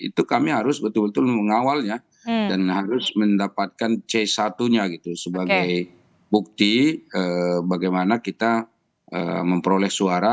itu kami harus betul betul mengawalnya dan harus mendapatkan c satu nya gitu sebagai bukti bagaimana kita memperoleh suara